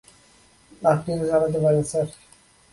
আপনিও জ্বালাতে পারেন, স্যার।